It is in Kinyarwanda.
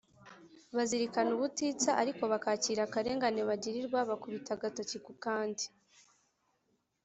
bazirikana ubutitsa ariko bakakira akarengane bagirirwa bakubita agatoki ku kandi.